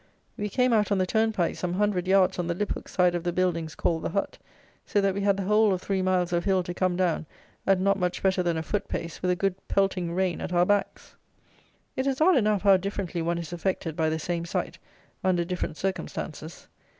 We came out on the turnpike some hundred yards on the Liphook side of the buildings called the Hut; so that we had the whole of three miles of hill to come down at not much better than a foot pace, with a good pelting rain at our backs. It is odd enough how differently one is affected by the same sight, under different circumstances.